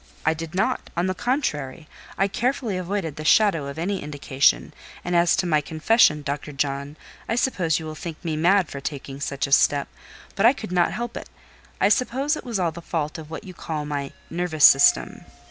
"I did not: on the contrary, I carefully avoided the shadow of any indication: and as to my confession, Dr. John, I suppose you will think me mad for taking such a step, but I could not help it: I suppose it was all the fault of what you call my 'nervous system.